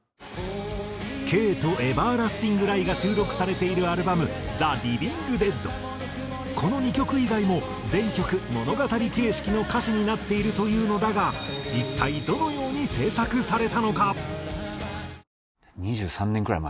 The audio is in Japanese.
『Ｋ』と『Ｅｖｅｒｌａｓｔｉｎｇｌｉｅ』が収録されているこの２曲以外も全曲物語形式の歌詞になっているというのだが一体どのように制作されたのか？